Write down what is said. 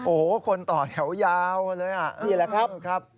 โอ้โหคนต่อแถวยาวเลยอ่ะนี่แหละครับ